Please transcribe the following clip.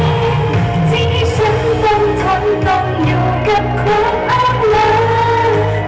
ที่ไหนที่ฉันต้องถนต่ออยู่กับความอ้ำน้ำ